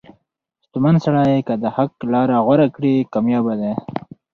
• شتمن سړی که د حق لار غوره کړي، کامیابه دی.